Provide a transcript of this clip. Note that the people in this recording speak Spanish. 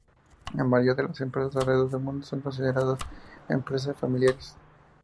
La mayoría de las empresas alrededor del mundo son consideradas empresas familiares.